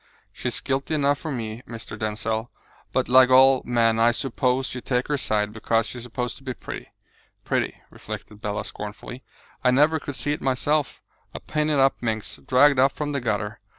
"She is guilty enough for me, Mr. Denzil; but like all men, I suppose you take her side, because she is supposed to be pretty. Pretty!" reflected Bella scornfully, "I never could see it myself; a painted up minx, dragged up from the gutter.